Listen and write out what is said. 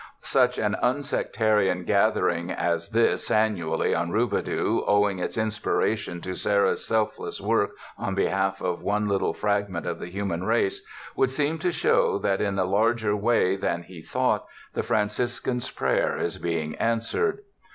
Such an unsec tarian gathering as this annually on Rubidoux, owing its inspiration to Serra 's selfless work on behalf of one little fragment of the human race, would seem to show that in a larger way than he thought the Franciscan's prayer is being answered.